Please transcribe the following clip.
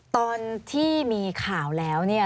ตอนที่มีข่าวแล้วเนี่ย